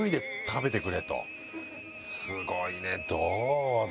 すごいね。